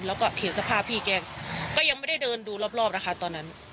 แล้วก็เห็นสภาพพี่แกก็ยังไม่ได้เดินดูรอบนะคะตอนนั้น